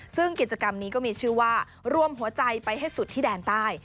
ซึ่งกิจกรรมนี้ก็มีชื่อว่ารวมหัวใจไปให้สุดที่แดนใต้